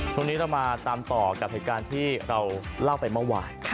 ช่วงนี้เรามาตามต่อกับเหตุการณ์ที่เราเล่าไปเมื่อวาน